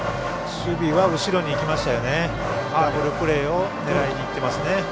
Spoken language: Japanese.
守備は後ろにいきました。